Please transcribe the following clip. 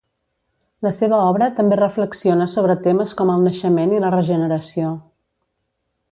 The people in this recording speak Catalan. La seva obra també reflexiona sobre temes com el naixement i la regeneració.